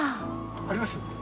あります？